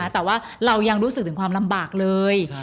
แต่ว่าเรายังรู้สึกถึงความลำบากเลย